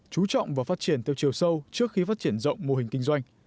chú trọng và phát triển theo chiều sâu trước khi phát triển rộng mô hình kinh doanh